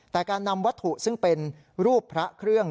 แต่การนำวัตถุซึ่งเป็นรูปพระเครื่อง